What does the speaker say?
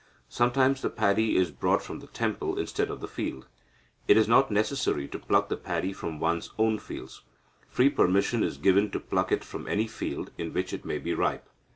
Sometimes the paddy is brought from the temple, instead of the field. It is not necessary to pluck the paddy from one's own fields. Free permission is given to pluck it from any field in which it may be ripe.